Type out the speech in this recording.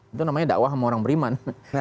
itu namanya dakwah sama orang beriman